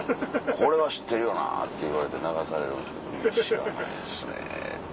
「これは知ってるよな」って言われて流されるんですけど「知らないですね」。